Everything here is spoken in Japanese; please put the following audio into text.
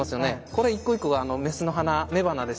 これ一個一個が雌の花雌花です。